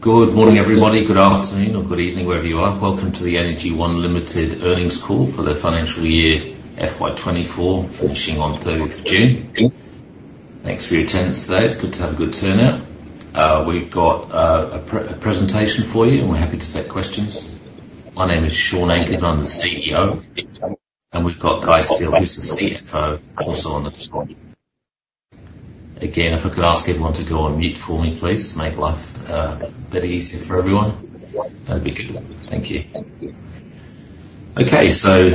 Good morning, everybody. Good afternoon or good evening, wherever you are. Welcome to the Energy One Limited earnings call for the financial year FY 24, finishing on thirtieth of June. Thanks for your attendance today. It's good to have a good turnout. We've got a presentation for you, and we're happy to take questions. My name is Shaun Ankers, I'm the CEO, and we've got Guy Steel, who's the CFO, also on the call. Again, if I could ask everyone to go on mute for me, please. Make life a bit easier for everyone. That'd be good. Thank you. Okay, so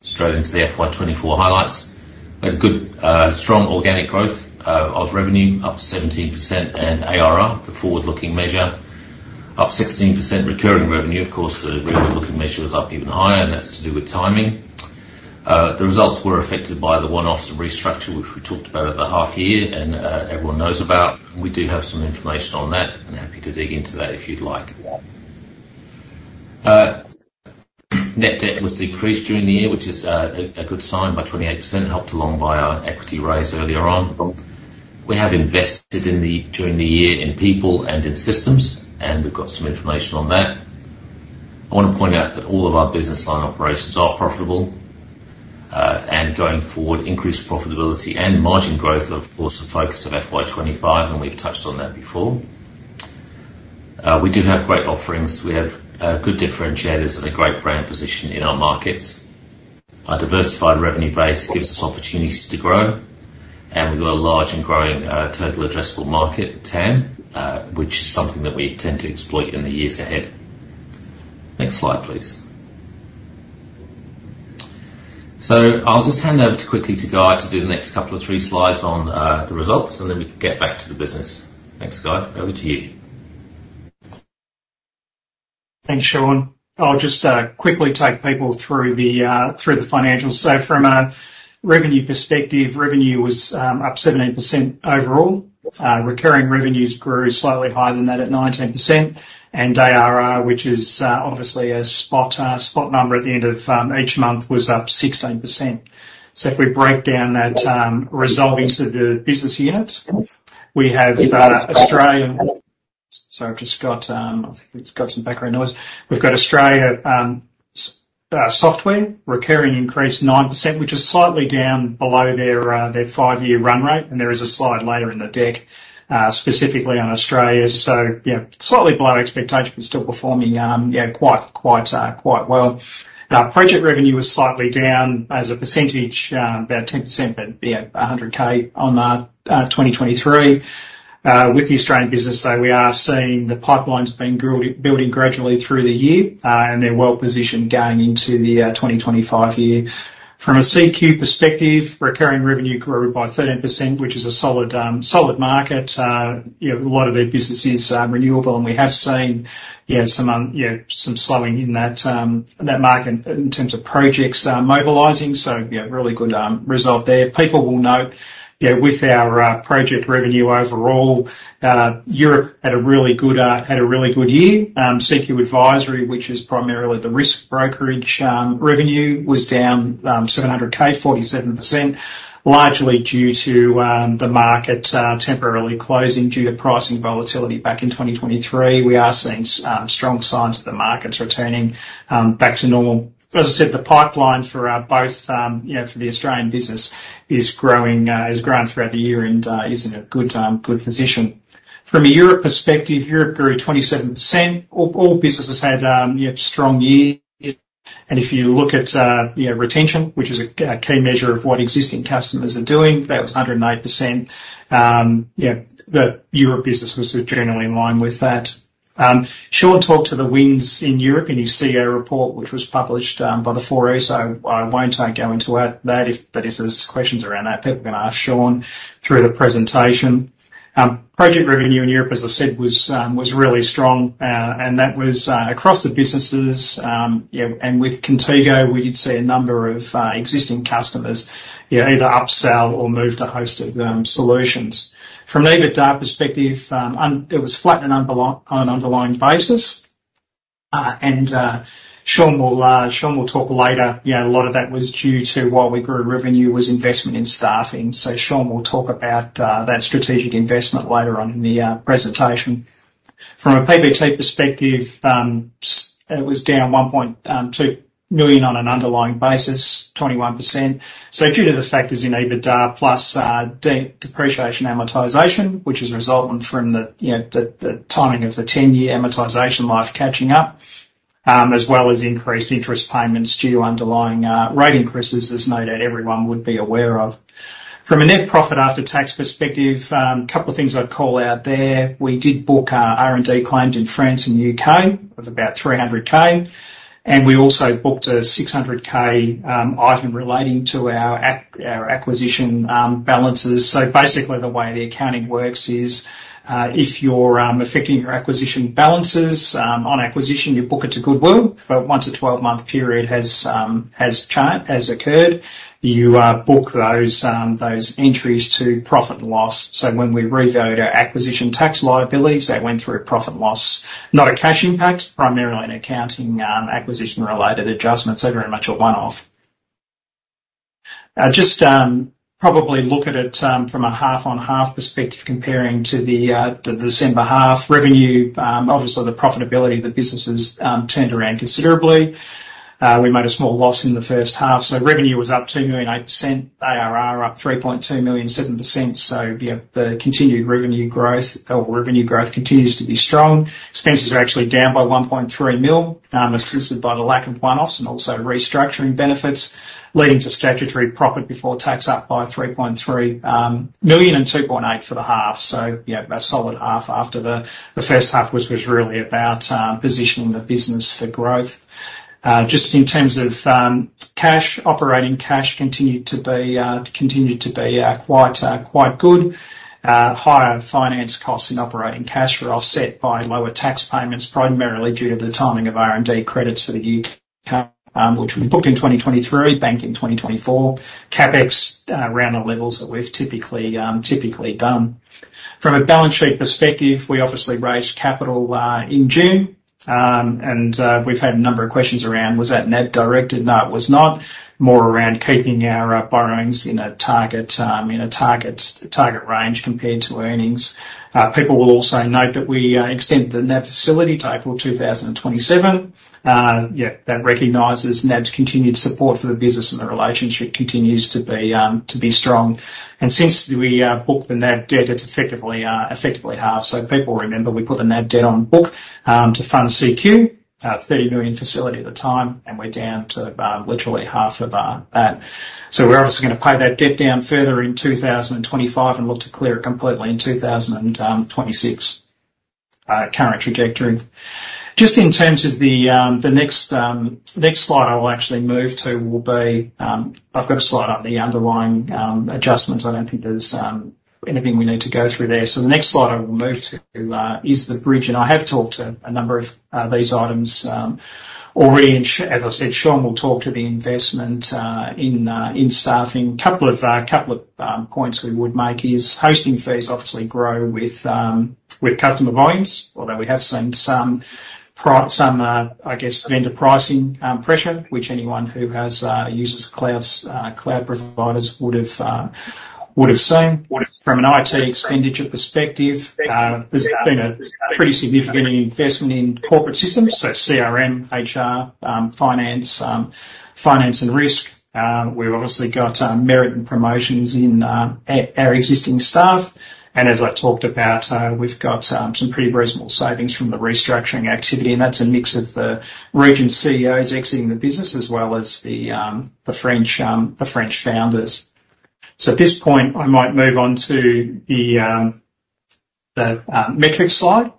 straight into the FY 24 highlights. Had good strong organic growth of revenue, up 17% and ARR, the forward-looking measure, up 16%. Recurring revenue, of course, the rear-looking measure was up even higher, and that's to do with timing. The results were affected by the one-off restructure, which we talked about at the half year and everyone knows about. We do have some information on that. I'm happy to dig into that if you'd like. Net debt was decreased during the year, which is a good sign, by 28%, helped along by our equity raise earlier on. We have invested during the year in people and in systems, and we've got some information on that. I want to point out that all of our business line operations are profitable, and going forward, increased profitability and margin growth are, of course, the focus of FY 2025, and we've touched on that before. We do have great offerings. We have good differentiators and a great brand position in our markets. Our diversified revenue base gives us opportunities to grow, and we've got a large and growing total addressable market, TAM, which is something that we intend to exploit in the years ahead. Next slide, please. So I'll just hand over quickly to Guy to do the next couple of three slides on the results, and then we can get back to the business. Thanks, Guy. Over to you. Thanks, Shaun. I'll just quickly take people through the financials. So from a revenue perspective, revenue was up 17% overall. Recurring revenues grew slightly higher than that at 19%, and ARR, which is obviously a spot number at the end of each month, was up 16%. So if we break down that result into the business units, we have Australia. Sorry, I've just got some background noise. We've got Australia software recurring increased 9%, which is slightly down below their five-year run rate, and there is a slide later in the deck specifically on Australia. So yeah, slightly below expectations, but still performing yeah, quite well. Our project revenue was slightly down as a percentage, about 10%, but yeah, 100,000 on 2023. With the Australian business though, we are seeing the pipelines being built gradually through the year, and they're well positioned going into the 2025 year. From a CQ perspective, recurring revenue grew by 13%, which is a solid market. You know, a lot of their business is renewable, and we have seen, yeah, some you know, some slowing in that market in terms of projects mobilizing. So, yeah, really good result there. People will note, you know, with our project revenue overall, Europe had a really good year. CQ Advisory, which is primarily the risk brokerage, revenue, was down 700K, 47%, largely due to the market temporarily closing due to pricing volatility back in 2023. We are seeing strong signs that the market's returning back to normal. As I said, the pipeline for both you know for the Australian business is growing, has grown throughout the year and is in a good good position. From a Europe perspective, Europe grew 27%. All businesses had you know strong years. And if you look at you know retention, which is a key measure of what existing customers are doing, that was 108%. Yeah, the Europe business was generally in line with that. Shaun talked to the wins in Europe in his CEO report, which was published by the 4E, so I won't go into that. If there are questions around that, people can ask Shaun through the presentation. Project revenue in Europe, as I said, was really strong, and that was across the businesses. Yeah, and with Contigo, we did see a number of existing customers, yeah, either upsell or move to hosted solutions. From an EBITDA perspective, it was flat and below on an underlying basis, and Shaun will talk later. You know, a lot of that was due to, while we grew revenue, was investment in staffing. Shaun will talk about that strategic investment later on in the presentation. From a PBT perspective, it was down 1.2 million on an underlying basis, 21%. So due to the factors in EBITDA plus, depreciation amortization, which is a resultant from the, you know, the timing of the ten-year amortization life catching up, as well as increased interest payments due to underlying, rate increases, as no doubt everyone would be aware of. From a net profit after tax perspective, a couple of things I'd call out there. We did book, R&D claims in France and U.K. of about 300K, and we also booked a 600K, item relating to our our acquisition, balances. So basically, the way the accounting works is, if you're affecting your acquisition balances, on acquisition, you book it to goodwill, but once a twelve-month period has occurred, you book those entries to profit and loss. So when we revalued our acquisition tax liabilities, that went through a profit and loss, not a cash impact, primarily an accounting acquisition-related adjustment, so very much a one-off. Just probably look at it from a half-on-half perspective, comparing to the December half. Revenue obviously, the profitability of the business has turned around considerably. We made a small loss in the first half, so revenue was up 2 million, 8%, ARR up 3.2 million, 7%. So yeah, the continued revenue growth, or revenue growth continues to be strong. Expenses are actually down by 1.3 million, assisted by the lack of one-offs and also restructuring benefits, leading to statutory profit before tax up by 3.3 million and 2.8 million for the half. So yeah, a solid half after the first half, which was really about positioning the business for growth. Just in terms of cash, operating cash continued to be quite good. Higher finance costs and operating cash were offset by lower tax payments, primarily due to the timing of R&D credits for the UK, which we booked in 2023, banked in 2024. CapEx around the levels that we've typically done. From a balance sheet perspective, we obviously raised capital in June. We've had a number of questions around: Was that NAB directed? No, it was not. More around keeping our borrowings in a target range compared to earnings. People will also note that we extended the NAB facility to April 2027. Yeah, that recognizes NAB's continued support for the business, and the relationship continues to be strong. And since we booked the NAB debt, it's effectively half. So people will remember, we put the NAB debt on book to fund CQ, 30 million facility at the time, and we're down to literally half of that. So we're obviously going to pay that debt down further in 2025, and look to clear it completely in 2026, current trajectory. Just in terms of the next slide I will actually move to will be. I've got a slide on the underlying adjustments. I don't think there's anything we need to go through there. So the next slide I will move to is the bridge, and I have talked to a number of these items already, as I said. Shaun will talk to the investment in staffing. A couple of points we would make is hosting fees obviously grow with customer volumes, although we have seen some, I guess, vendor pricing pressure, which anyone who uses cloud providers would have seen. From an IT expenditure perspective, there's been a pretty significant investment in corporate systems, so CRM, HR, finance, finance and risk. We've obviously got merit and promotions in our existing staff, and as I talked about, we've got some pretty reasonable savings from the restructuring activity, and that's a mix of the region CEOs exiting the business, as well as the French founders. So at this point, I might move on to the metrics slide.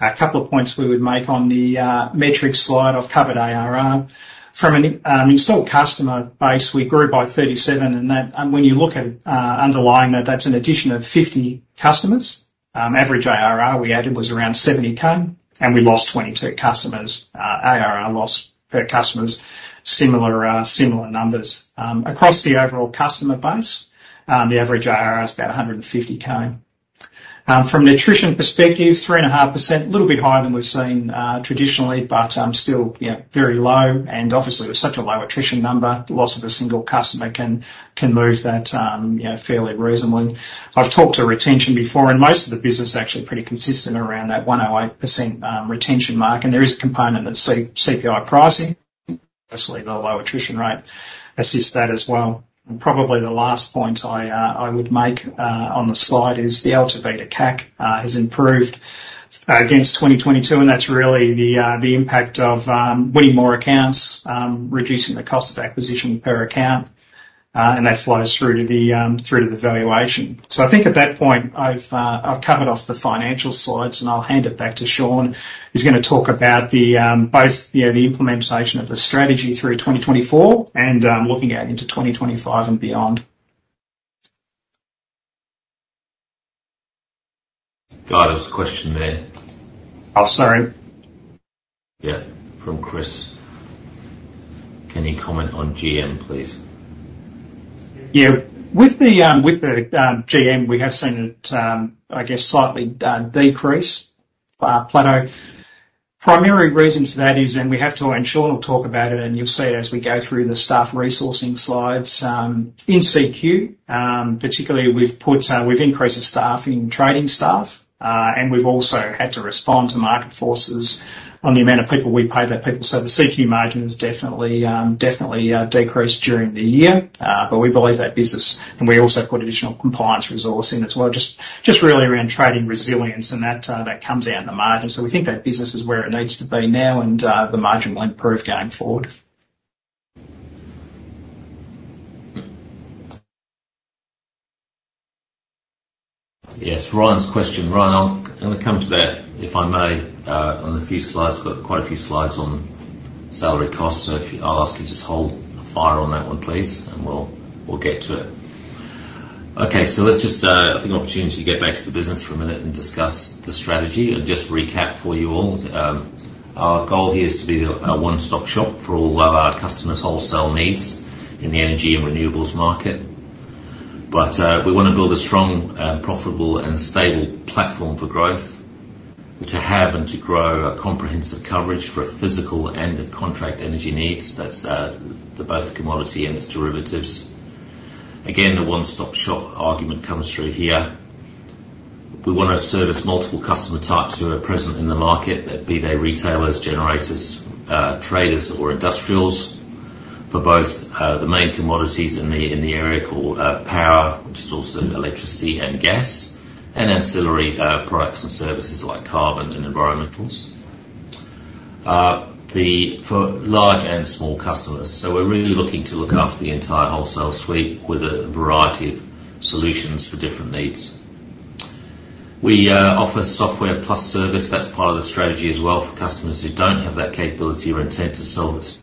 A couple of points we would make on the metrics slide. I've covered ARR. From an installed customer base, we grew by thirty-seven, and that-- and when you look at underlying that, that's an addition of fifty customers. Average ARR we added was around seventy K, and we lost twenty-two customers. ARR loss per customers, similar, similar numbers. Across the overall customer base, the average ARR is about 150K. From an attrition perspective, 3.5%, a little bit higher than we've seen, traditionally, but, still, you know, very low, and obviously, with such a low attrition number, the loss of a single customer can, can move that, you know, fairly reasonably. I've talked to retention before, and most of the business is actually pretty consistent around that 108% retention mark, and there is a component that's CPI pricing. Obviously, the low attrition rate assists that as well. And probably the last point I would make on the slide is the LTV to CAC has improved against 2022, and that's really the impact of winning more accounts, reducing the cost of acquisition per account, and that flows through to the valuation. So I think at that point, I've covered off the financial slides, and I'll hand it back to Shaun, who's going to talk about both, you know, the implementation of the strategy through 2024 and looking out into 2025 and beyond. Got us a question there. Oh, sorry. Yeah, from Chris: "Can you comment on GM, please? Yeah. With the GM, we have seen it, I guess, slightly decrease, plateau. Primary reason for that is, and Shaun will talk about it, and you'll see it as we go through the staff resourcing slides, in CQ, particularly, we've increased the staff in trading staff, and we've also had to respond to market forces on the amount we pay those people. So the CQ margin has definitely decreased during the year, but we believe that business... And we also put additional compliance resource in as well, just really around trading resilience, and that comes down to margin. So we think that business is where it needs to be now, and the margin will improve going forward. Yes, Ryan's question. Ryan, I'm gonna come to that, if I may, on a few slides. Got quite a few slides on salary costs, so if you-- I'll ask you to just hold fire on that one, please, and we'll get to it. Okay, so let's just, I think an opportunity to get back to the business for a minute and discuss the strategy. And just to recap for you all, our goal here is to be the, a one-stop shop for all of our customers' wholesale needs in the energy and renewables market.... But, we wanna build a strong, profitable, and stable platform for growth, to have and to grow a comprehensive coverage for a physical and a contract energy needs. That's, the both commodity and its derivatives. Again, the one-stop-shop argument comes through here. We wanna service multiple customer types who are present in the market, be they retailers, generators, traders, or industrials, for both the main commodities in the area called power, which is also electricity and gas, and ancillary products and services like carbon and environmentals for large and small customers. We're really looking to look after the entire wholesale suite with a variety of solutions for different needs. We offer software plus service. That's part of the strategy as well for customers who don't have that capability or intent to sell this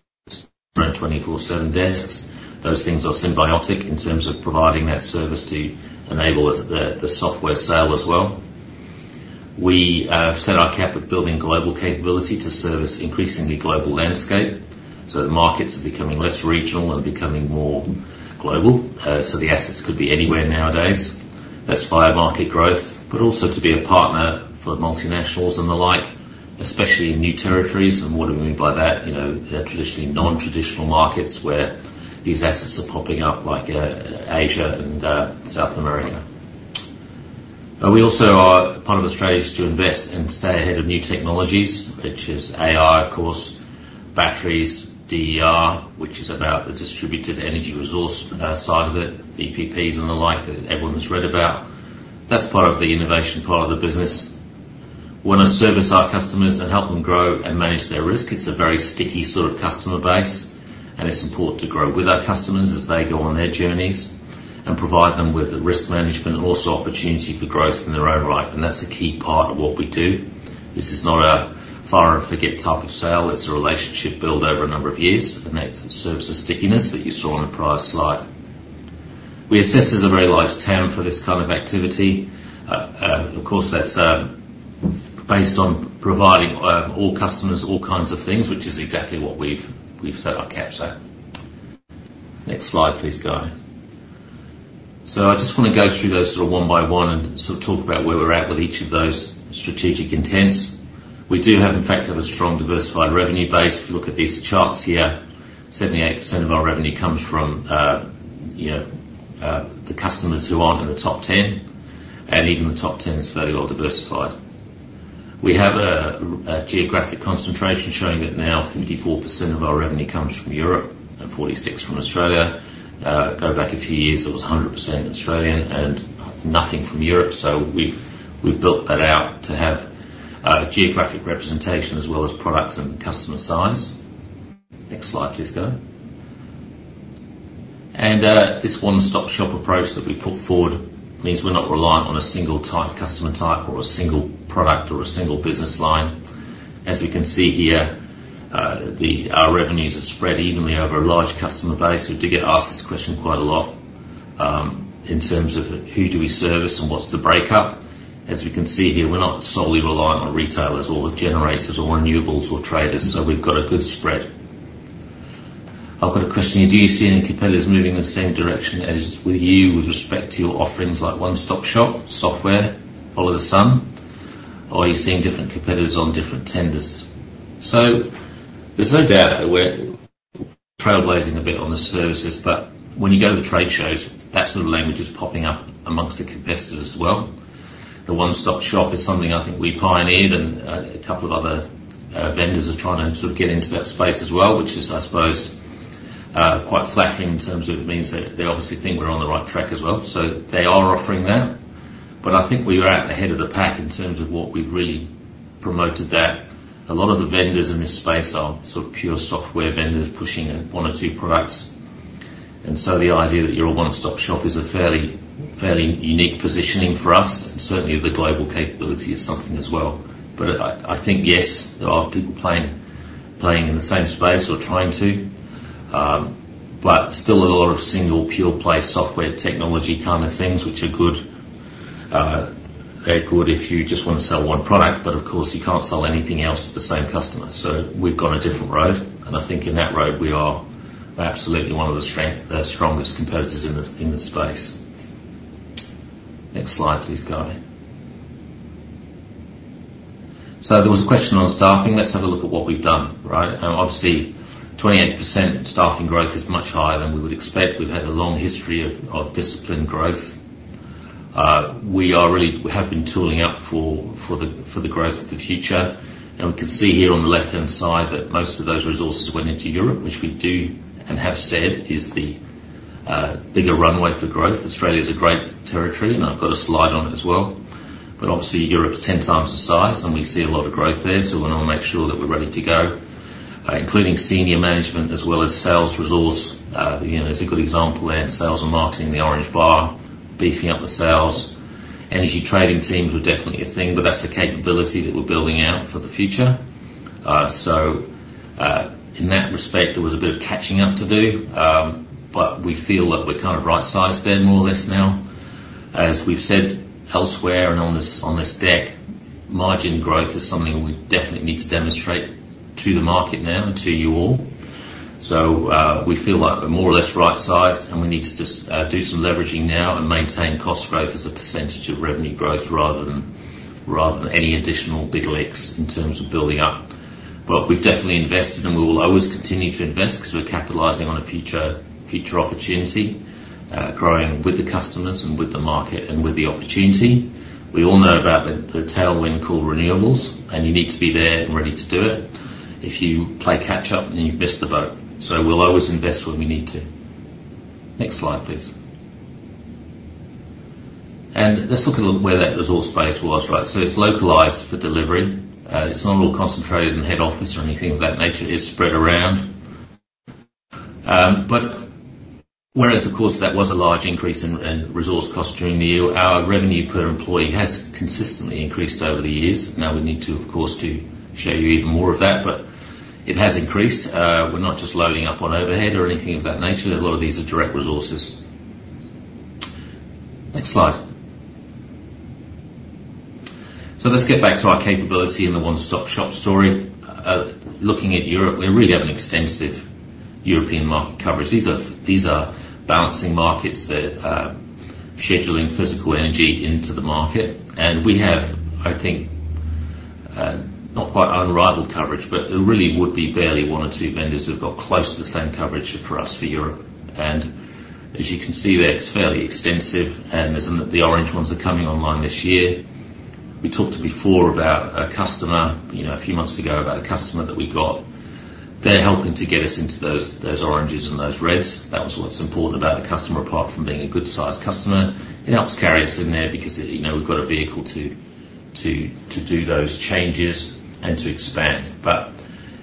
around twenty-four/seven desks. Those things are symbiotic in terms of providing that service to enable us the software sale as well. We set our cap at building global capability to service increasingly global landscape, so the markets are becoming less regional and becoming more global. So the assets could be anywhere nowadays. That's via market growth, but also to be a partner for multinationals and the like, especially in new territories. And what do we mean by that? You know, traditionally, non-traditional markets where these assets are popping up, like, Asia and South America. Part of the strategy is to invest and stay ahead of new technologies, which is AI, of course, batteries, DER, which is about the distributed energy resource, side of it, VPPs and the like that everyone's read about. That's part of the innovation part of the business. We wanna service our customers and help them grow and manage their risk. It's a very sticky sort of customer base, and it's important to grow with our customers as they go on their journeys, and provide them with the risk management and also opportunity for growth in their own right, and that's a key part of what we do. This is not a fire-and-forget type of sale. It's a relationship built over a number of years, and that's the service of stickiness that you saw on the prior slide. We assess there's a very large TAM for this kind of activity. Of course, that's based on providing all customers, all kinds of things, which is exactly what we've set our caps at. Next slide, please, Guy. So I just wanna go through those sort of one by one and sort of talk about where we're at with each of those strategic intents. We do have, in fact, a strong, diversified revenue base. If you look at these charts here, 78% of our revenue comes from, you know, the customers who aren't in the top 10, and even the top 10 is fairly well diversified. We have a geographic concentration showing that now 54% of our revenue comes from Europe and 46% from Australia. Go back a few years, it was 100% Australian and nothing from Europe, so we've built that out to have geographic representation as well as products and customer size. Next slide, please, Guy. This one-stop shop approach that we put forward means we're not reliant on a single type, customer type, or a single product, or a single business line. As we can see here, our revenues are spread evenly over a large customer base. We do get asked this question quite a lot, in terms of who do we service and what's the break-up. As you can see here, we're not solely reliant on retailers or generators, or renewables, or traders, so we've got a good spread. I've got a question here: Do you see any competitors moving in the same direction as with you with respect to your offerings, like one-stop-shop, software, Follow the Sun? Or are you seeing different competitors on different tenders? So there's no doubt that we're trailblazing a bit on the services, but when you go to the trade shows, that sort of language is popping up amongst the competitors as well. The one-stop shop is something I think we pioneered, and a couple of other vendors are trying to sort of get into that space as well, which is, I suppose, quite flattering in terms of it means that they obviously think we're on the right track as well, so they are offering that, but I think we are out ahead of the pack in terms of what we've really promoted that. A lot of the vendors in this space are sort of pure software vendors pushing one or two products, and so the idea that you're a one-stop shop is a fairly, fairly unique positioning for us, and certainly the global capability is something as well. But I think, yes, there are people playing in the same space or trying to, but still a lot of single pure-play software technology kind of things, which are good. They're good if you just want to sell one product, but of course, you can't sell anything else to the same customer. So we've gone a different road, and I think in that road, we are absolutely one of the strongest competitors in the space. Next slide, please, Guy. So there was a question on staffing. Let's have a look at what we've done, right? And obviously, 28% staffing growth is much higher than we would expect. We've had a long history of disciplined growth. We have been tooling up for the growth of the future. And we can see here on the left-hand side that most of those resources went into Europe, which we do and have said is the bigger runway for growth. Australia is a great territory, and I've got a slide on it as well. But obviously, Europe is ten times the size, and we see a lot of growth there, so we wanna make sure that we're ready to go. Including senior management as well as sales resource, you know, there's a good example there, sales and marketing, the orange bar, beefing up the sales. Energy trading teams were definitely a thing, but that's the capability that we're building out for the future. So, in that respect, there was a bit of catching up to do, but we feel that we're kind of right-sized there more or less now. As we've said elsewhere and on this deck, margin growth is something we definitely need to demonstrate to the market now and to you all. So, we feel like we're more or less right-sized, and we need to just do some leveraging now and maintain cost growth as a percentage of revenue growth rather than any additional big leaks in terms of building up. But we've definitely invested, and we will always continue to invest because we're capitalizing on a future opportunity, growing with the customers and with the market and with the opportunity. We all know about the tailwind called renewables, and you need to be there and ready to do it. If you play catch up, then you've missed the boat, so we'll always invest when we need to. Next slide, please. Let's look at where that resource base was, right? So it's localized for delivery. It's not all concentrated in head office or anything of that nature. It's spread around. But whereas, of course, that was a large increase in resource cost during the year, our revenue per employee has consistently increased over the years. Now we need to, of course, show you even more of that, but it has increased. We're not just loading up on overhead or anything of that nature. A lot of these are direct resources. Next slide. Let's get back to our capability and the one-stop shop story. Looking at Europe, we really have an extensive European market coverage. These are balancing markets. They're scheduling physical energy into the market, and we have, I think, not quite unrivaled coverage, but there really would be barely one or two vendors who have got close to the same coverage for us for Europe. And as you can see there, it's fairly extensive, and there's some... The orange ones are coming online this year. We talked before about a customer, you know, a few months ago, about a customer that we got. They're helping to get us into those, those oranges and those reds. That was what's important about the customer, apart from being a good-sized customer. It helps carry us in there because, you know, we've got a vehicle to, to, to do those changes and to expand. But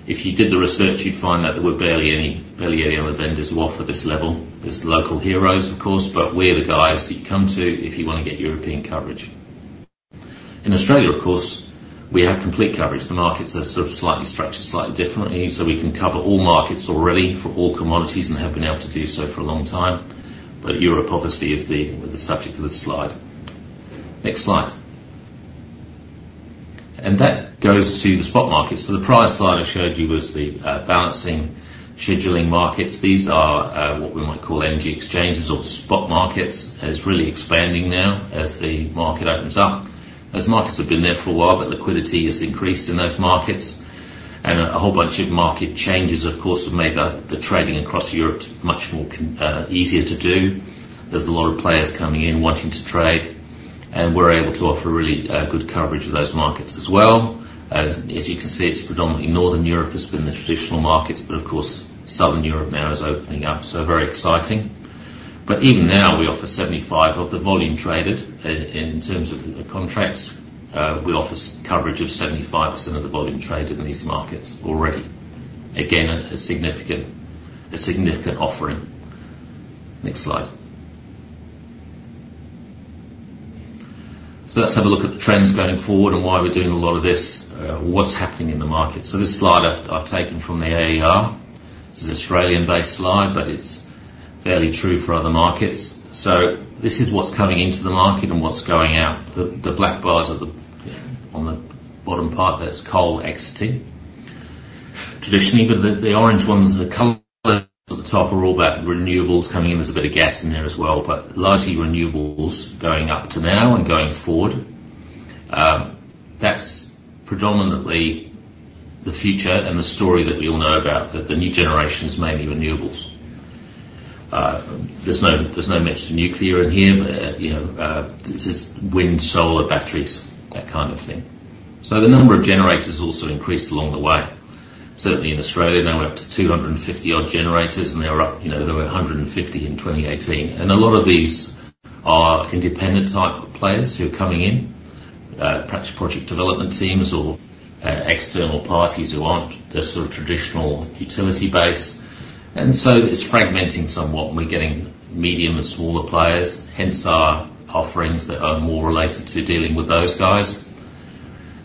if you did the research, you'd find out there were barely any, barely any other vendors who offer this level. There's local heroes, of course, but we're the guys that you come to if you want to get European coverage. In Australia, of course, we have complete coverage. The markets are sort of slightly structured, slightly differently, so we can cover all markets already for all commodities, and have been able to do so for a long time, but Europe, obviously, is the subject of this slide. Next slide, and that goes to the spot markets, so the prior slide I showed you was the balancing, scheduling markets. These are what we might call energy exchanges or spot markets. It's really expanding now as the market opens up. Those markets have been there for a while, but liquidity has increased in those markets, and a whole bunch of market changes, of course, have made the trading across Europe much more easier to do. There's a lot of players coming in, wanting to trade, and we're able to offer really, good coverage of those markets as well. As you can see, it's predominantly Northern Europe has been the traditional markets, but of course, Southern Europe now is opening up, so very exciting. But even now, we offer 75 of the volume traded. In terms of contracts, we offer coverage of 75% of the volume traded in these markets already. Again, a significant offering. Next slide. Let's have a look at the trends going forward and why we're doing a lot of this, what's happening in the market. This slide I've taken from the AER. This is an Australian-based slide, but it's fairly true for other markets. This is what's coming into the market and what's going out. The black bars are on the bottom part, that's coal exiting. Traditionally, the orange ones and the colors at the top are all about renewables coming in. There's a bit of gas in there as well, but largely renewables going up to now and going forward. That's predominantly the future and the story that we all know about, that the new generation is mainly renewables. There's no mention of nuclear in here, but you know, this is wind, solar, batteries, that kind of thing. So the number of generators also increased along the way. Certainly in Australia, now we're up to 250 odd generators, and they are up, you know, there were 150 in 2018. A lot of these are independent-type players who are coming in, perhaps project development teams or external parties who aren't the sort of traditional utility base. And so it's fragmenting somewhat, and we're getting medium and smaller players, hence our offerings that are more related to dealing with those guys.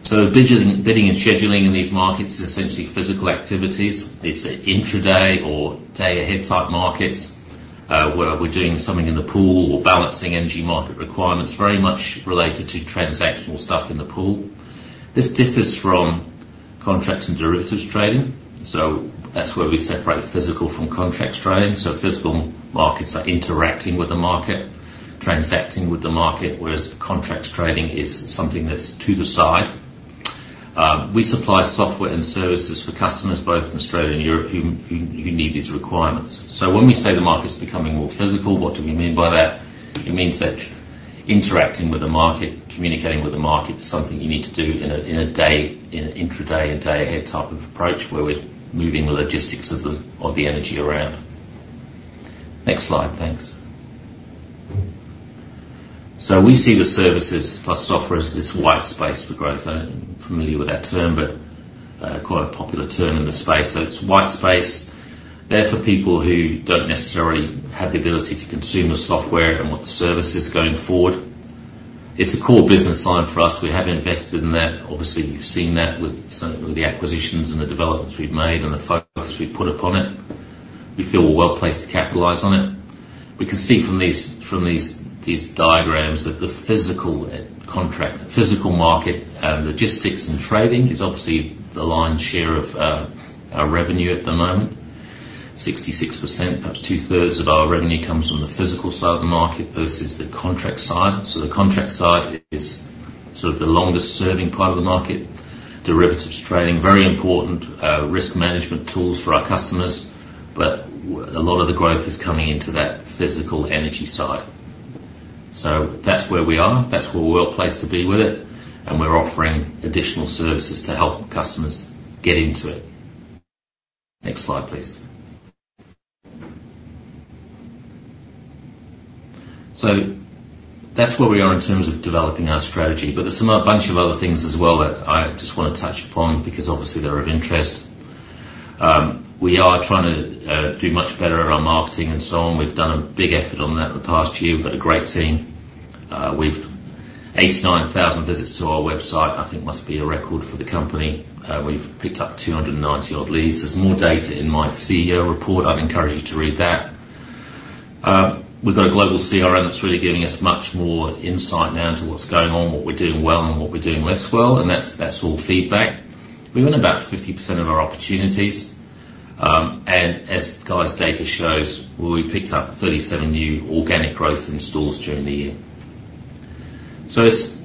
So digital bidding and scheduling in these markets is essentially physical activities. It's an intraday or day-ahead type markets, where we're doing something in the pool or balancing energy market requirements, very much related to transactional stuff in the pool. This differs from contracts and derivatives trading, so that's where we separate physical from contracts trading. So physical markets are interacting with the market, transacting with the market, whereas contracts trading is something that's to the side. We supply software and services for customers both in Australia and Europe, who need these requirements. So when we say the market is becoming more physical, what do we mean by that? It means that interacting with the market, communicating with the market, is something you need to do in a day, in an intraday and day-ahead type of approach, where we're moving the logistics of the energy around. Next slide, thanks. So we see the services plus software as this white space for growth. I don't know if you're familiar with that term, but quite a popular term in the space. So it's white space there for people who don't necessarily have the ability to consume the software and want the services going forward.... It's a core business line for us. We have invested in that. Obviously, you've seen that with some of the acquisitions and the developments we've made and the focus we've put upon it. We feel we're well placed to capitalize on it. We can see from these diagrams that the physical contract, physical market, logistics and trading is obviously the lion's share of our revenue at the moment. 66%, perhaps two-thirds of our revenue, comes from the physical side of the market versus the contract side. So the contract side is sort of the longest serving part of the market. Derivatives trading, very important, risk management tools for our customers, but a lot of the growth is coming into that physical energy side. So that's where we are. That's where we're well placed to be with it, and we're offering additional services to help customers get into it. Next slide, please. So that's where we are in terms of developing our strategy, but there's a bunch of other things as well that I just want to touch upon because obviously they're of interest. We are trying to do much better at our marketing and so on. We've done a big effort on that in the past year. We've got a great team. We've 89,000 visits to our website, I think must be a record for the company. We've picked up 290-odd leads. There's more data in my CEO report. I'd encourage you to read that. We've got a global CRM that's really giving us much more insight now into what's going on, what we're doing well, and what we're doing less well, and that's all feedback. We win about 50% of our opportunities, and as Guy's data shows, where we picked up 37 new organic growth installs during the year. So it's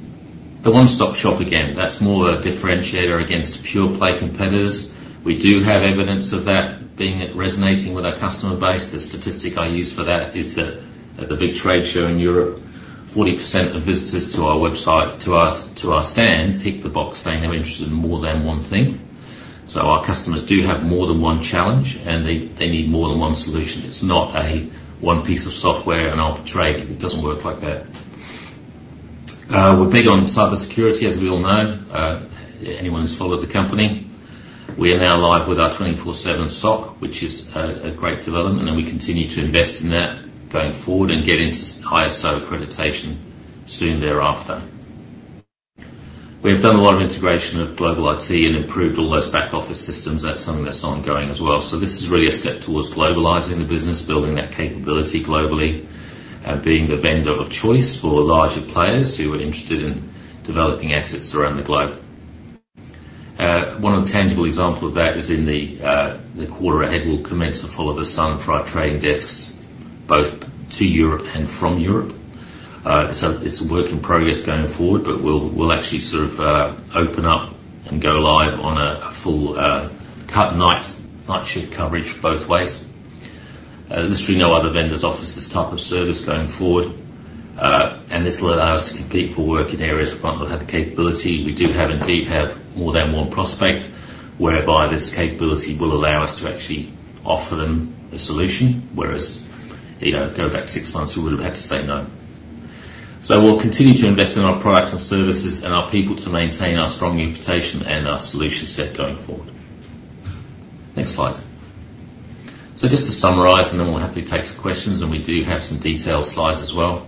the one-stop shop again, that's more a differentiator against pure-play competitors. We do have evidence of that being it resonating with our customer base. The statistic I use for that is that at the big trade show in Europe, 40% of visitors to our website, to our stands, tick the box saying they're interested in more than one thing. So our customers do have more than one challenge, and they need more than one solution. It's not a one piece of software and arb trading. It doesn't work like that. We're big on cybersecurity, as we all know, anyone who's followed the company. We are now live with our 24/7 SOC, which is a great development, and we continue to invest in that going forward and get into ISO accreditation soon thereafter. We have done a lot of integration of global IT and improved all those back office systems. That's something that's ongoing as well. So this is really a step towards globalizing the business, building that capability globally, and being the vendor of choice for larger players who are interested in developing assets around the globe. One tangible example of that is in the quarter ahead, we'll commence the Follow the Sun trading desks, both to Europe and from Europe. So it's a work in progress going forward, but we'll actually sort of open up and go live on a full cutover night shift coverage both ways. Literally, no other vendors offer this type of service going forward, and this will allow us to compete for work in areas we might not have the capability. We do have, indeed, more than one prospect, whereby this capability will allow us to actually offer them a solution, whereas, you know, go back six months, we would have had to say no, so we'll continue to invest in our products and services and our people to maintain our strong reputation and our solution set going forward. Next slide, so just to summarize, and then we'll happily take some questions, and we do have some detailed slides as well.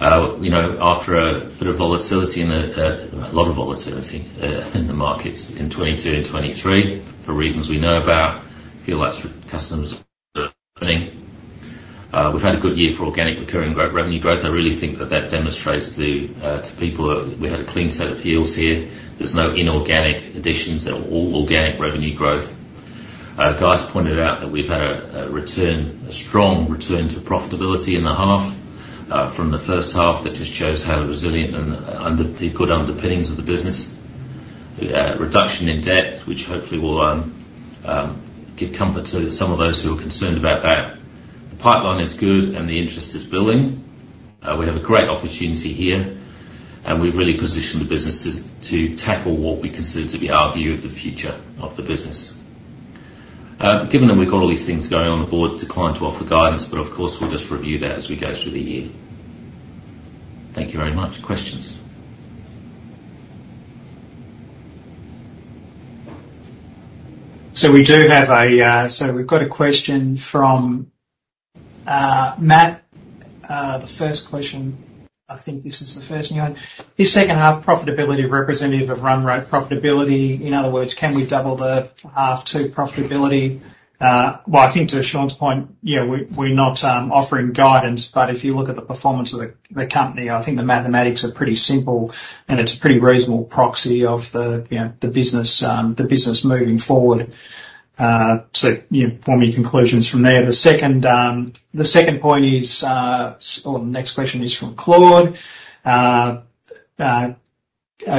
You know, after a bit of volatility in the, a lot of volatility, in the markets in 2022 and 2023, for reasons we know about, fewer customers are opening. We've had a good year for organic recurring revenue growth. I really think that that demonstrates to people that we had a clean set of books here. There's no inorganic additions. They're all organic revenue growth. Guy pointed out that we've had a strong return to profitability in the half from the first half. That just shows how resilient and underlying the good underpinnings of the business. Reduction in debt, which hopefully will give comfort to some of those who are concerned about that. The pipeline is good, and the interest is building. We have a great opportunity here, and we've really positioned the business to tackle what we consider to be our view of the future of the business. Given that we've got all these things going on, the Board declined to offer guidance, but, of course, we'll just review that as we go through the year. Thank you very much. Questions? We do have a. So we've got a question from Matt. The first question, I think this is the first one. Is second half profitability representative of run rate profitability? In other words, can we double the half-two profitability? Well, I think to Shaun's point, yeah, we're, we're not offering guidance, but if you look at the performance of the company, I think the mathematics are pretty simple, and it's a pretty reasonable proxy of the, you know, the business, the business moving forward. So, you know, form your conclusions from there. The second point is, or the next question is from Claude.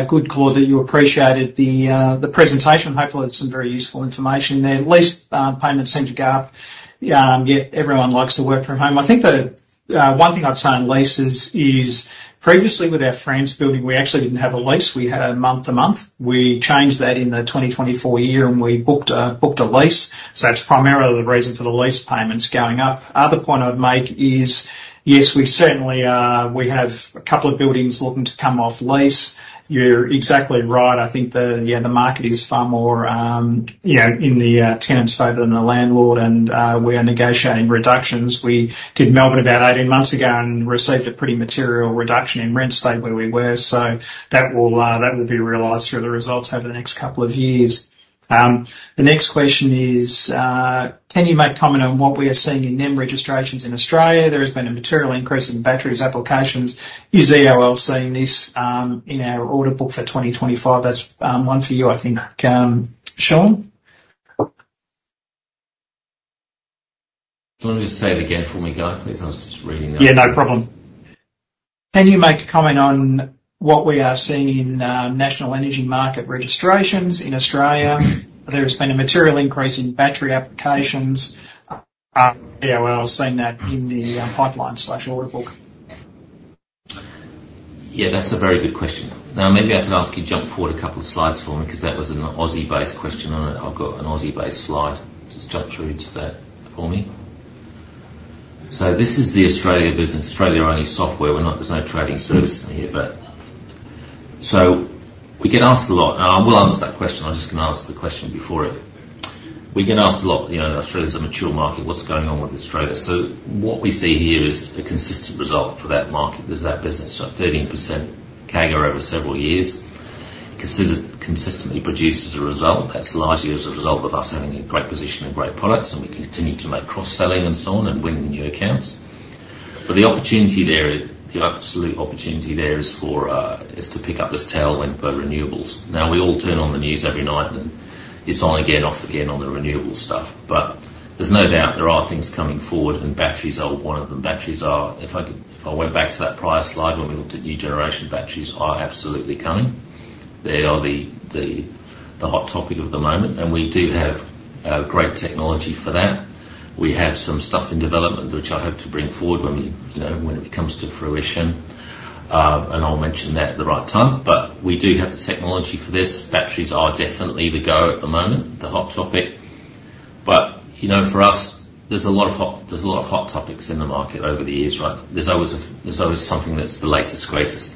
Good, Claude, that you appreciated the presentation. Hopefully, that's some very useful information there. Lease payments seem to go up. Yeah, everyone likes to work from home. I think the one thing I'd say on leases is, previously with our France building, we actually didn't have a lease. We had a month-to-month. We changed that in the 2024 year, and we booked a lease. So that's primarily the reason for the lease payments going up. Other point I would make is, yes, we certainly are. We have a couple of buildings looking to come off lease. You're exactly right. I think the yeah, the market is far more, you know, in the tenant's favor than the landlord, and we are negotiating reductions. We did Melbourne about eighteen months ago and received a pretty material reduction in rent rate where we were, so that will be realized through the results over the next couple of years. The next question is, "Can you make comment on what we are seeing in NEM registrations in Australia? There has been a material increase in batteries applications. Is EOL seeing this, in our order book for 2025?" That's one for you, I think, Shaun. Do you want me to just say it again before we go, please? I was just reading that. Yeah, no problem. "Can you make a comment on what we are seeing in national energy market registrations in Australia? There has been a material increase in battery applications. We've all seen that in the pipeline/order book. Yeah, that's a very good question. Now, maybe I can ask you to jump forward a couple of slides for me, 'cause that was an Aussie-based question, and I've got an Aussie-based slide. Just jump through to that for me. So this is the Australia business. Australia are only software. We're not-- there's no trading services in here, but... So we get asked a lot, and I will answer that question. I'm just gonna answer the question before it. We get asked a lot, you know, Australia's a mature market, what's going on with Australia? So what we see here is a consistent result for that market, there's that business. So 13% CAGR over several years, consistently produces a result that's largely as a result of us having a great position and great products, and we continue to make cross-selling and so on, and winning new accounts. But the opportunity there, the absolute opportunity there is for is to pick up this tailwind for renewables. Now, we all turn on the news every night, and it's on again, off again on the renewables stuff. But there's no doubt there are things coming forward, and batteries are one of them. Batteries are, if I could if I went back to that prior slide, when we looked at new generation, batteries are absolutely coming. They are the hot topic of the moment, and we do have great technology for that. We have some stuff in development, which I hope to bring forward when we, you know, when it comes to fruition, and I'll mention that at the right time. But we do have the technology for this. Batteries are definitely the go at the moment, the hot topic. But, you know, for us, there's a lot of hot topics in the market over the years, right? There's always something that's the latest, greatest.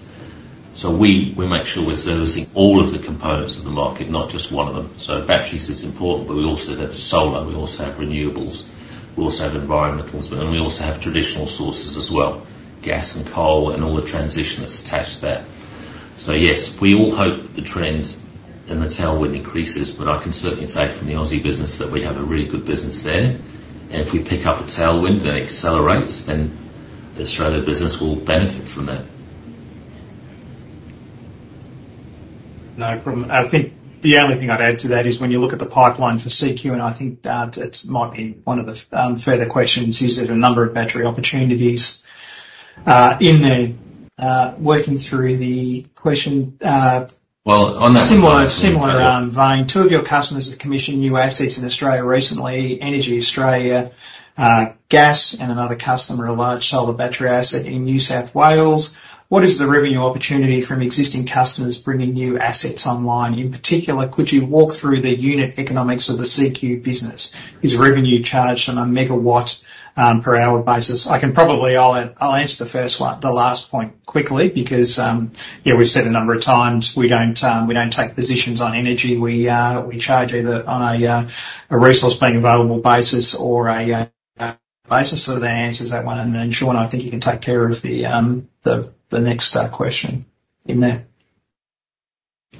So we make sure we're servicing all of the components of the market, not just one of them. So batteries is important, but we also have solar, we also have renewables, we also have environmentals, but then we also have traditional sources as well, gas and coal, and all the transition that's attached to that. So yes, we all hope that the trend and the tailwind increases, but I can certainly say from the Aussie business that we have a really good business there, and if we pick up a tailwind and it accelerates, then the Australia business will benefit from that. No problem. I think the only thing I'd add to that is when you look at the pipeline for CQ, and I think that it might be one of the further questions, is there are a number of battery opportunities in there. Working through the question. On that one- Similar vein. Two of your customers have commissioned new assets in Australia recently, EnergyAustralia gas and another customer, a large solar battery asset in New South Wales. What is the revenue opportunity from existing customers bringing new assets online? In particular, could you walk through the unit economics of the CQ business? Is revenue charged on a MW per hour basis? I can probably... I'll answer the first one, the last point quickly, because, yeah, we've said a number of times, we don't take positions on energy. We, we charge either on a resource being available basis or a basis. So that answers that one, and then, Shaun, I think you can take care of the next question in there.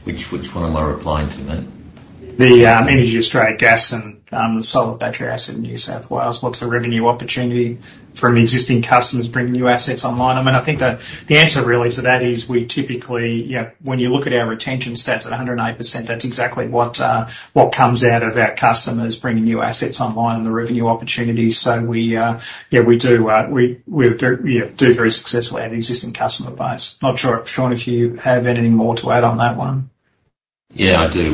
Which one am I replying to now? The EnergyAustralia gas and the solar battery asset in New South Wales. What's the revenue opportunity from existing customers bringing new assets online? I mean, I think the answer really to that is, we typically, you know, when you look at our retention stats at 108%, that's exactly what comes out of our customers bringing new assets online and the revenue opportunities. So yeah, we do very successfully our existing customer base. Not sure, Shaun, if you have anything more to add on that one. Yeah, I do.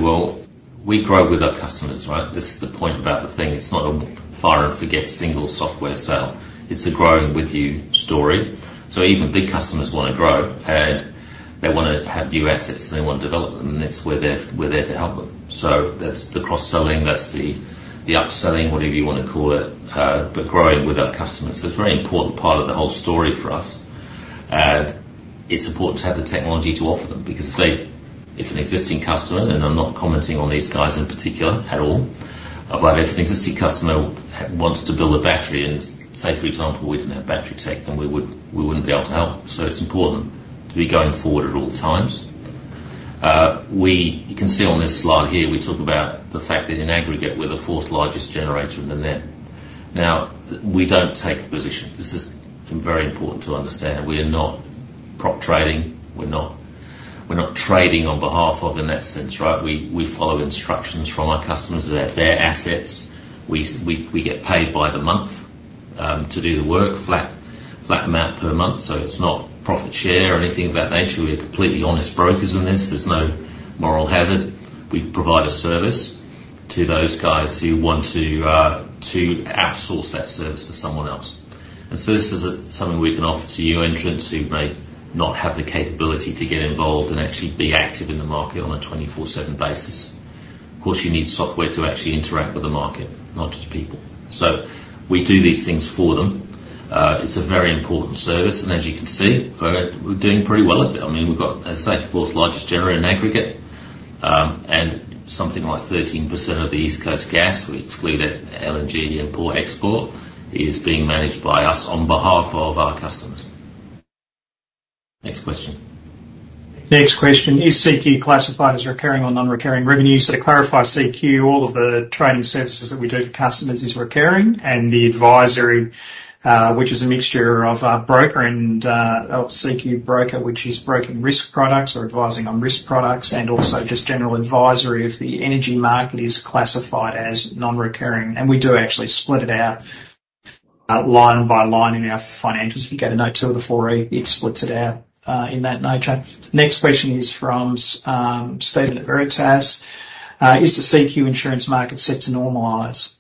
We grow with our customers, right? This is the point about the thing. It's not a fire and forget single software sale. It's a growing with you story. So even big customers wanna grow, and they wanna have new assets, and they want development, and that's where they are, we're there to help them. So that's the cross-selling, that's the upselling, whatever you wanna call it, but growing with our customers. So it's a very important part of the whole story for us, and it's important to have the technology to offer them, because if an existing customer, and I'm not commenting on these guys in particular at all. But if an existing customer wants to build a battery and say, for example, we didn't have battery tech, then we wouldn't be able to help. So it's important to be going forward at all times. You can see on this slide here, we talk about the fact that in aggregate, we're the fourth largest generator in the NEM. Now, we don't take a position. This is very important to understand. We are not prop trading. We're not trading on behalf of in that sense, right? We follow instructions from our customers. They're their assets. We get paid by the month to do the work, flat amount per month. So it's not profit share or anything of that nature. We're completely honest brokers in this. There's no moral hazard. We provide a service to those guys who want to outsource that service to someone else. This is something we can offer to new entrants who may not have the capability to get involved and actually be active in the market on a 24/7 basis. Of course, you need software to actually interact with the market, not just people. So we do these things for them. It's a very important service, and as you can see, we're doing pretty well at it. I mean, we've got the fourth largest generator in aggregate. And something like 13% of the East Coast gas—we exclude LNG import-export—is being managed by us on behalf of our customers. Next question. Next question: Is CQ classified as recurring or non-recurring revenue? So to clarify, CQ, all of the trading services that we do for customers is recurring, and the advisory, which is a mixture of our broker and, of CQ broker, which is broking risk products or advising on risk products, and also just general advisory of the energy market, is classified as non-recurring. And we do actually split it out, line by line in our financials. If you go to note two of the 4E, it splits it out, in that nature. Next question is from, Steven at Veritas: is the CQ insurance market set to normalize?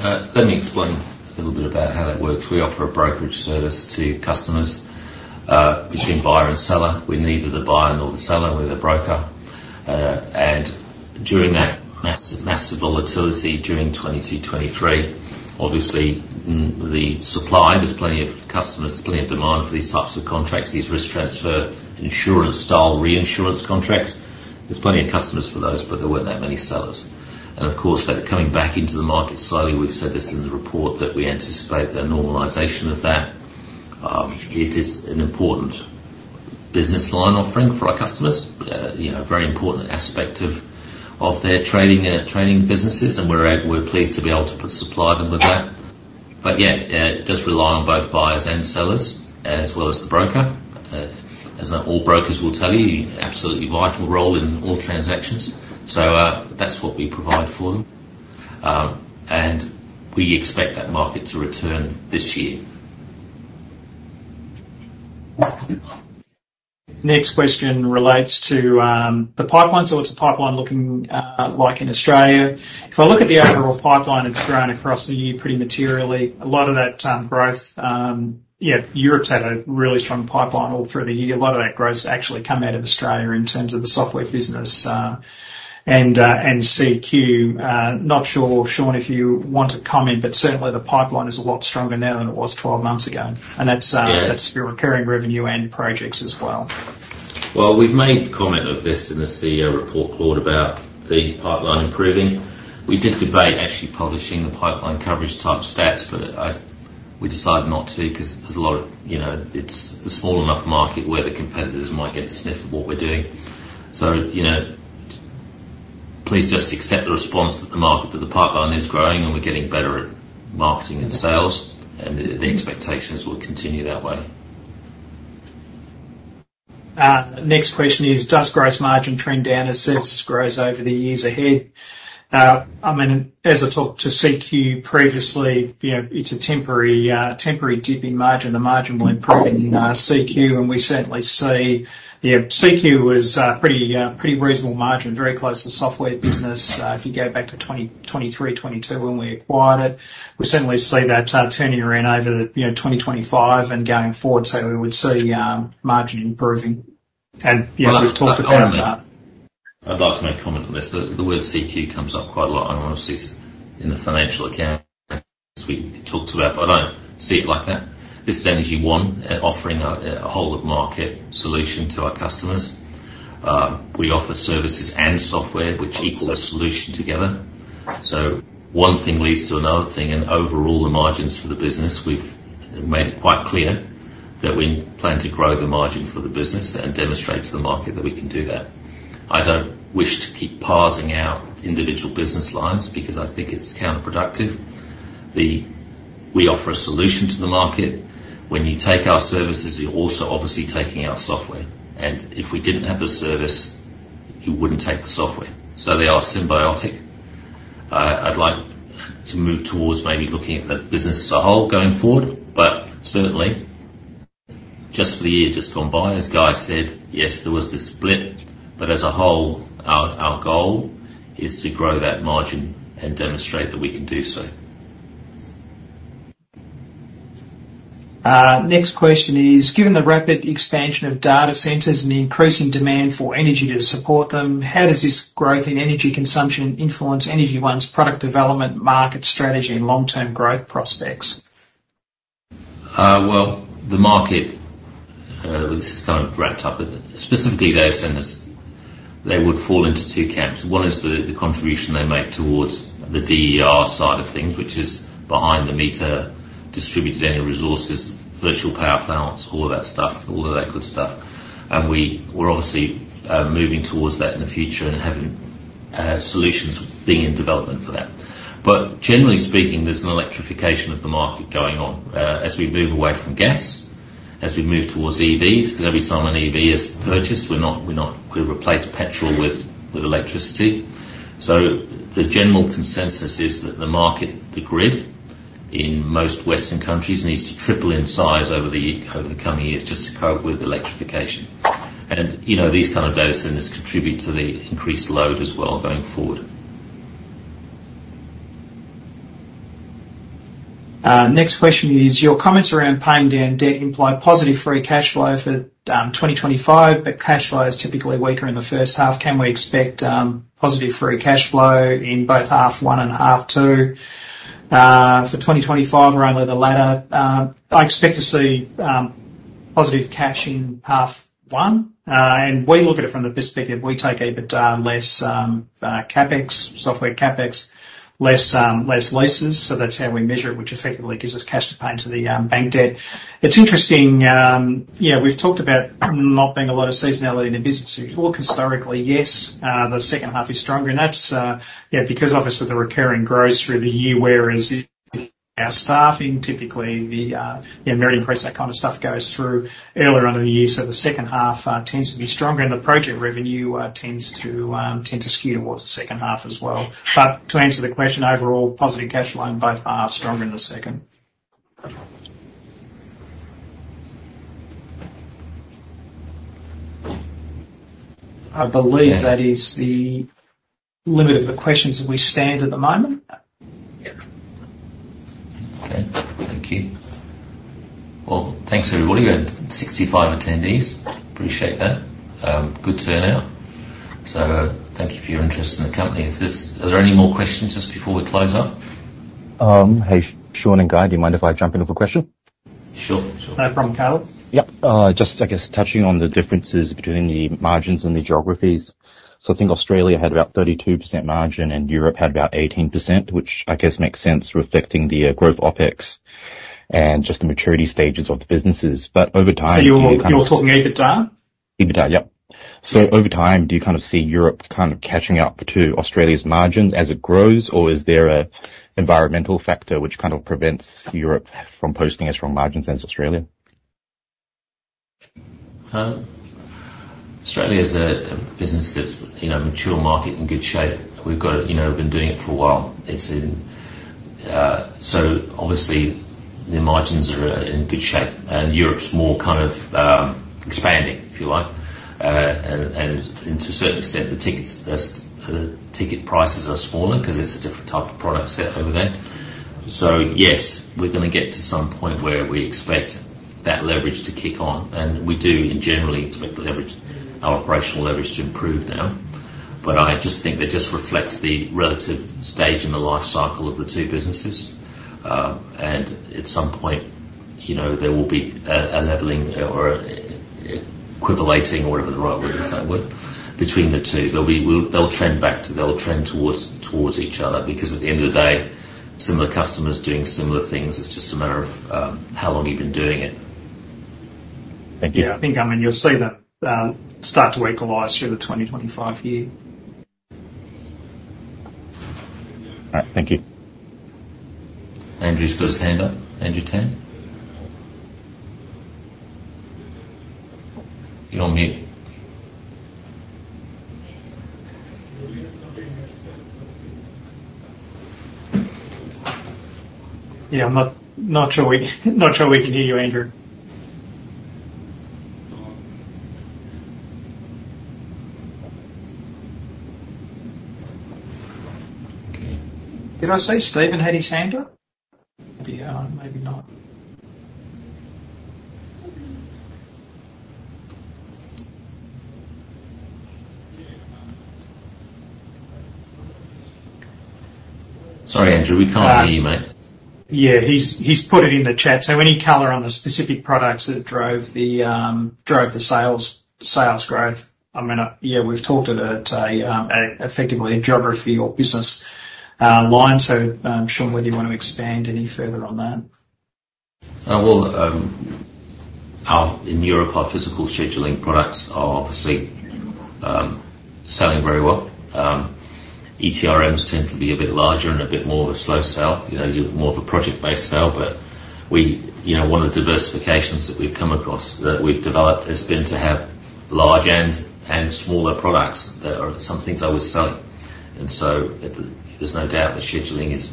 Let me explain a little bit about how that works. We offer a brokerage service to customers, between buyer and seller. We're neither the buyer nor the seller, we're the broker. And during that massive volatility during 2022, 2023, obviously, the supply. There's plenty of customers, plenty of demand for these types of contracts, these risk transfer, insurance style reinsurance contracts. There's plenty of customers for those, but there weren't that many sellers. And of course, they're coming back into the market slowly. We've said this in the report, that we anticipate the normalization of that. It is an important business line offering for our customers, you know, a very important aspect of their trading businesses. And we're pleased to be able to supply them with that. But yeah, it does rely on both buyers and sellers as well as the broker. As all brokers will tell you, absolutely vital role in all transactions, so, that's what we provide for them. And we expect that market to return this year. Next question relates to the pipeline. So what's the pipeline looking like in Australia? If I look at the overall pipeline, it's grown across the year, pretty materially. A lot of that growth, yeah, Europe's had a really strong pipeline all through the year. A lot of that growth has actually come out of Australia in terms of the software business, and CQ. Not sure, Shaun, if you want to comment, but certainly the pipeline is a lot stronger now than it was twelve months ago. Yeah. And that's your recurring revenue and projects as well. We've made comment of this in the CEO report, Claude, about the pipeline improving. We did debate actually publishing the pipeline coverage type stats, but we decided not to, 'cause there's a lot of, you know, it's a small enough market where the competitors might get a sniff of what we're doing. You know, please just accept the response that the market, that the pipeline is growing, and we're getting better at marketing and sales, and the expectations will continue that way. Next question is: Does gross margin trend down as services grows over the years ahead? I mean, as I talked to CQ previously, you know, it's a temporary dip in margin. The margin will improve in CQ, and we certainly see... Yeah, CQ was pretty reasonable margin, very close to the software business. If you go back to 2023, 2022, when we acquired it, we certainly see that turning around over the, you know, 2025 and going forward. So we would see margin improving. And, you know, we've talked about that. I'd like to make a comment on this. The word CQ comes up quite a lot, and obviously, it's in the financial accounts we talked about, but I don't see it like that. This is Energy One offering a whole of market solution to our customers. We offer services and software which equal a solution together. So one thing leads to another thing, and overall, the margins for the business, we've made it quite clear that we plan to grow the margin for the business and demonstrate to the market that we can do that. I don't wish to keep parsing out individual business lines because I think it's counterproductive. We offer a solution to the market. When you take our services, you're also obviously taking our software, and if we didn't have the service, you wouldn't take the software. So they are symbiotic. I'd like to move towards maybe looking at the business as a whole going forward, but certainly, just for the year just gone by, as Guy said, yes, there was this blip, but as a whole, our goal is to grow that margin and demonstrate that we can do so. Next question is: Given the rapid expansion of data centers and the increasing demand for energy to support them, how does this growth in energy consumption influence Energy One's product development, market strategy, and long-term growth prospects? Well, the market, this is kind of wrapped up. Specifically, data centers, they would fall into two camps. One is the contribution they make towards the DER side of things, which is behind the meter, distributed energy resources, virtual power plants, all of that stuff, all of that good stuff. And we're obviously moving towards that in the future and having solutions being in development for that. But generally speaking, there's an electrification of the market going on, as we move away from gas, as we move towards EVs, because every time an EV is purchased, we replace petrol with electricity. So the general consensus is that the market, the grid, in most Western countries, needs to triple in size over the coming years just to cope with electrification. And, you know, these kind of data centers contribute to the increased load as well, going forward. Next question is: Your comments around paying down debt imply positive free cash flow for 2025, but cash flow is typically weaker in the first half. Can we expect positive free cash flow in both half one and half two for 2025 or only the latter? I expect to see positive cash in half one. And we look at it from the perspective, we take EBITDA less CapEx, software CapEx, less leases. So that's how we measure it, which effectively gives us cash to pay into the bank debt. It's interesting, yeah, we've talked about not being a lot of seasonality in the business. If you look historically, yes, the second half is stronger, and that's because obviously the recurring grows through the year, whereas our staffing, typically, the merit increase, that kind of stuff goes through earlier on in the year. So the second half tends to be stronger, and the project revenue tends to skew towards the second half as well. But to answer the question, overall, positive cash flow in both halves, stronger in the second. I believe that is the limit of the questions that we stand at the moment. Yeah. Okay. Thank you. Well, thanks, everybody. We had 65 attendees. Appreciate that. Good turnout. So thank you for your interest in the company. Are there any more questions just before we close up? Hey, Shaun and Guy, do you mind if I jump in with a question? Sure, sure. No problem, Caleb. Yep. Just I guess, touching on the differences between the margins and the geographies. So I think Australia had about 32% margin and Europe had about 18%, which I guess makes sense, reflecting the growth OpEx and just the maturity stages of the businesses. But over time- So you're talking EBITDA? EBITDA, yep. So over time, do you kind of see Europe kind of catching up to Australia's margins as it grows? Or is there a environmental factor which kind of prevents Europe from posting as strong margins as Australia? Australia is a business that's, you know, mature market in good shape. We've got it, you know, been doing it for a while. It's in. So obviously, the margins are in good shape, and Europe's more kind of expanding, if you like. And to a certain extent, the ticket prices are smaller because it's a different type of product set over there. So yes, we're gonna get to some point where we expect that leverage to kick on, and we do, and generally expect the leverage, our operational leverage to improve now. But I just think that just reflects the relative stage in the life cycle of the two businesses. And at some point, you know, there will be a leveling or equivalating or whatever the right word, is that word, between the two. They'll trend towards each other, because at the end of the day, similar customers doing similar things, it's just a matter of how long you've been doing it. Thank you. Yeah, I think, I mean, you'll see that start to equalize through the 2025 year. All right. Thank you. Andrew's got his hand up. Andrew Tan? You're on mute. Yeah, I'm not sure we can hear you, Andrew. Did I say Steven had his hand up? Yeah, maybe not. Sorry, Andrew, we can't hear you, mate. Yeah, he's, he's put it in the chat. So any color on the specific products that drove the sales growth? I mean, yeah, we've talked at a effectively a geography or business line. So, Shaun, whether you want to expand any further on that. In Europe, our physical scheduling products are obviously selling very well. ETRMs tend to be a bit larger and a bit more of a slow sell. You know, you're more of a project-based sale, but we, you know, one of the diversifications that we've come across, that we've developed, has been to have large and smaller products that are some things are always selling. And so there's no doubt that scheduling is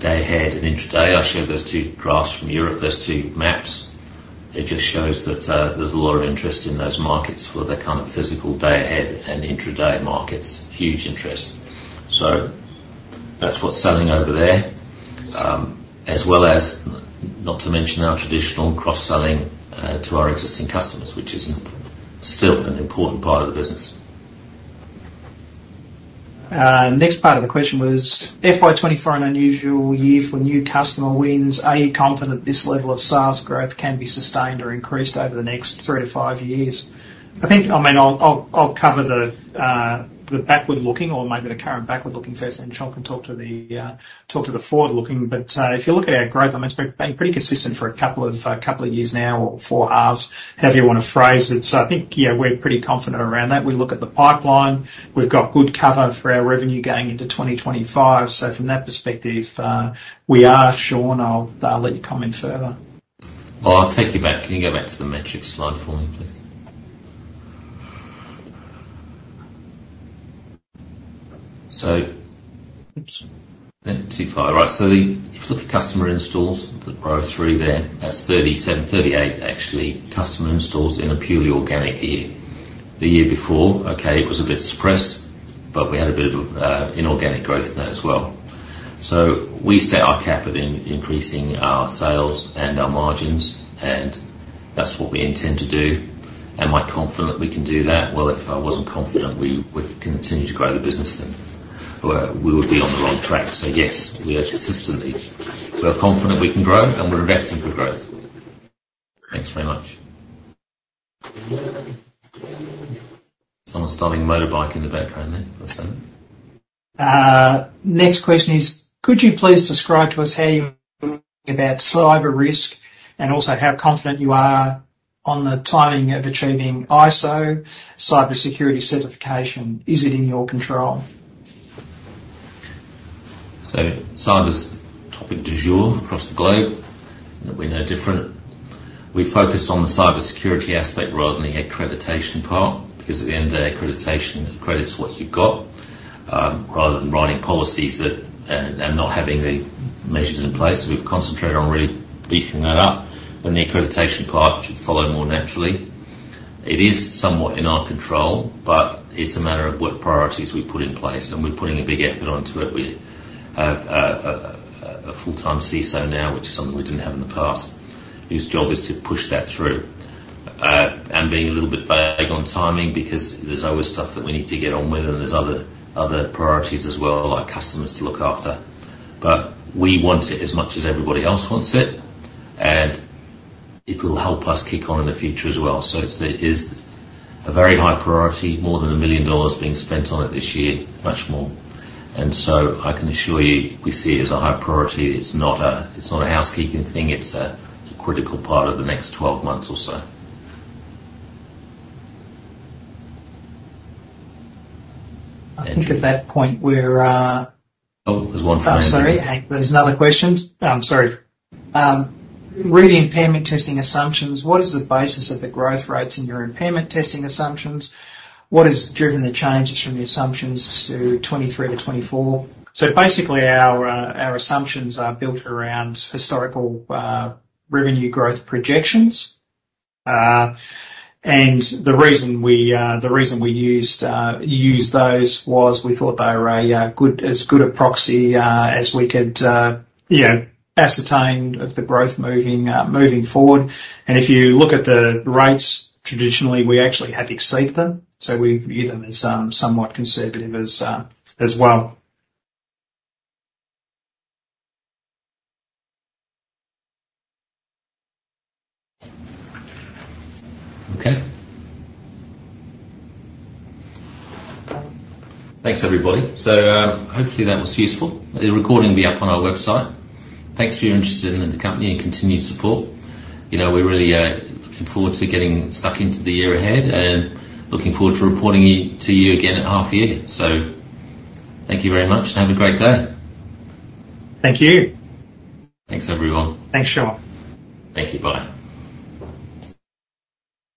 day ahead, and intraday. I showed those two graphs from Europe, those two maps. It just shows that, there's a lot of interest in those markets for the kind of physical day ahead and intraday markets. Huge interest. So that's what's selling over there, as well as, not to mention our traditional cross-selling, to our existing customers, which is still an important part of the business. Next part of the question was, FY 2024, an unusual year for new customer wins. Are you confident this level of sales growth can be sustained or increased over the next three to five years? I think, I mean, I'll cover the backward-looking or maybe the current backward-looking first, then Shaun can talk to the forward-looking. But if you look at our growth, I mean, it's been pretty consistent for a couple of years now, or four halves, however you want to phrase it. So I think, yeah, we're pretty confident around that. We look at the pipeline, we've got good cover for our revenue going into 2025. So from that perspective, we are. Shaun, I'll let you comment further. I'll take you back. Can you go back to the metrics slide for me, please? So... Oops. Too far. Right. So if you look at customer installs, the growth through there, that's 37, 38 actually, customer installs in a purely organic year. The year before, okay, it was a bit suppressed, but we had a bit of inorganic growth in that as well. So we set our cap at increasing our sales and our margins, and that's what we intend to do. Am I confident we can do that? Well, if I wasn't confident, we would continue to grow the business, then we would be on the wrong track. So yes, we are consistently. We are confident we can grow, and we're investing for growth. Thanks very much. Someone's starting a motorbike in the background there for a second. Next question is: Could you please describe to us how you about cyber risk, and also how confident you are on the timing of achieving ISO cybersecurity certification? Is it in your control? So cyber's topic du jour across the globe, and we're no different. We focused on the cybersecurity aspect rather than the accreditation part, because at the end of the day, accreditation accredits what you've got, rather than writing policies that and not having the measures in place. We've concentrated on really beefing that up, and the accreditation part should follow more naturally. It is somewhat in our control, but it's a matter of what priorities we put in place, and we're putting a big effort onto it. We have a full-time CISO now, which is something we didn't have in the past, whose job is to push that through. I'm being a little bit vague on timing because there's always stuff that we need to get on with, and there's other priorities as well, like customers to look after. But we want it as much as everybody else wants it, and it will help us kick on in the future as well. So it's a, it is a very high priority, more than 1 million dollars being spent on it this year, much more. And so I can assure you. We see it as a high priority. It's not a, it's not a housekeeping thing. It's a critical part of the next twelve months or so. I think at that point, we're Oh, there's one more. Oh, sorry, hang on. There's another question. Re the impairment testing assumptions, what is the basis of the growth rates in your impairment testing assumptions? What has driven the changes from the assumptions to 2023 to 2024? So basically, our assumptions are built around historical revenue growth projections. And the reason we used those was we thought they were as good a proxy as we could, you know, ascertain of the growth moving forward. And if you look at the rates, traditionally, we actually have exceeded them, so we view them as somewhat conservative as well. Okay. Thanks, everybody. So hopefully, that was useful. The recording will be up on our website. Thanks for your interest in the company and continued support. You know, we're really looking forward to getting stuck into the year ahead and looking forward to reporting to you again at half year. So thank you very much, and have a great day. Thank you. Thanks, everyone. Thanks, Shaun. Thank you. Bye.